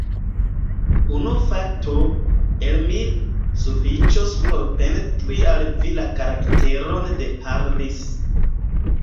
Unu fakto, el mil, sufiĉos por pentri al vi la karakteron de Harris.